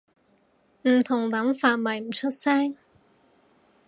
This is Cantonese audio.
唔同諗法咪唔出聲